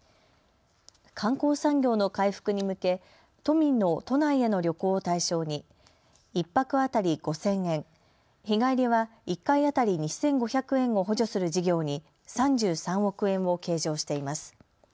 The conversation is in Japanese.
観光産業の回復に向け都民の都内への旅行を対象に１泊当たり５０００円、日帰りは１回当たり２５００円を補助する事業に３３億円を計上しています。